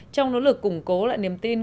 trong nỗ lực củng cố lại niềm tin